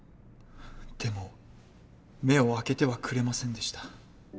でも目を開けてはくれませんでした。